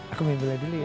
aku main bola dulu ya